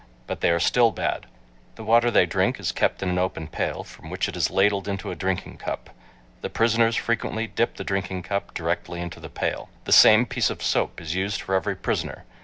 But they are still bad. The water they drink is kept in an open pail, from which it is ladled into a drinking cup. The prisoners frequently dip the drinking cup directly into the pail. The same piece of soap is used for every prisoner.